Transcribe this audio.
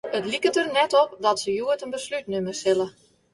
It liket der net op dat se hjoed in beslút nimme sille.